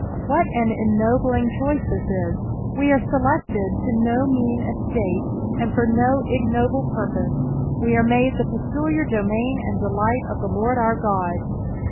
What an en noblio^ choice this ie I We ere selected to do mean estate, aotl for no ignoble jMirposB : we arc made the peculiar domain and delight of the Lord our God.